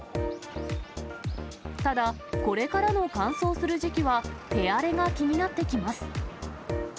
ただ、これからの乾燥する時期は、手荒れが気になってきます。